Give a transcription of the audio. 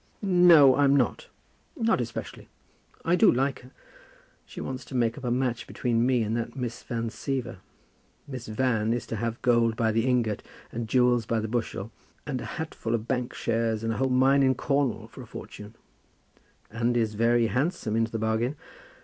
"No, I'm not; not especially. I do like her. She wants to make up a match between me and that Miss Van Siever. Miss Van is to have gold by the ingot, and jewels by the bushel, and a hatful of bank shares, and a whole mine in Cornwall, for her fortune." "And is very handsome into the bargain."